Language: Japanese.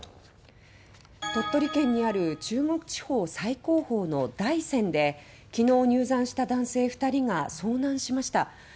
鳥取県にある中国地方最高峰の大山できのう入山した男性２人が遭難しました。